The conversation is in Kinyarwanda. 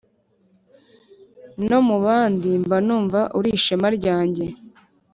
no mubandi mbanumva uri ishema ryanjye